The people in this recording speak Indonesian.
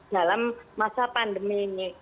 dalam masa pandemi